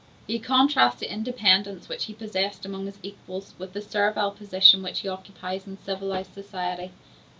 He contrasts the independence which he possessed amongst his equals with the servile position which he occupies in civilized society.